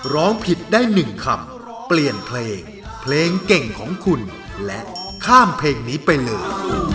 ร้องผิดได้๑คำเปลี่ยนเพลงเพลงเก่งของคุณและข้ามเพลงนี้ไปเลย